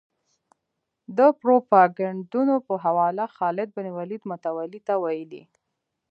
د پروپاګندونو په حواله خالد بن ولید متولي ته ویلي.